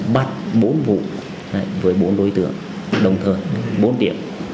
bắt bốn vụ với bốn đối tượng đồng thời bốn điểm